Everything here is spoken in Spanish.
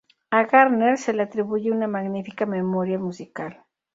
A Garner se le atribuye una magnífica memoria musical.